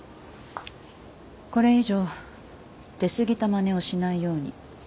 これ以上出過ぎたまねをしないように。